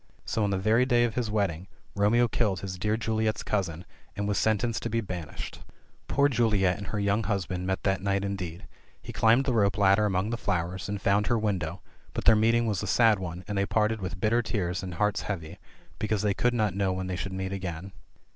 So, on the very day of his wedding, Romeo killed his dear Juliet's cousin, and was sentenced to be ban ished. Poor Juliet and her young husband met that night indeed ; he climbed the rope ladder among the flowers, and found her window, but their meeting was a sad one, and they parted with bitter tears and hearts heavy, because they could not know when they should meet again.